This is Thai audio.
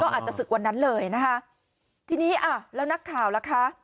อาจจะศึกวันนั้นเลยนะคะทีนี้อ่ะแล้วนักข่าวล่ะคะ